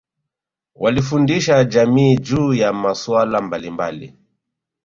walifundisha jamii juu ya masuala mbalimbali